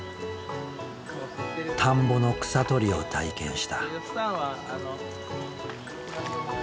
田んぼの草取りを体験した。